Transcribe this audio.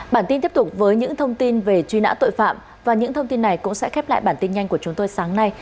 bản tin tiếp tục với những thông tin về truy nã tội phạm và những thông tin này cũng sẽ khép lại bản tin nhanh của chúng tôi sáng nay